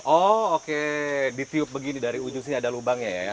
oh oke ditiup begini dari ujung sini ada lubangnya ya